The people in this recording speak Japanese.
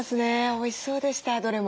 おいしそうでしたどれも。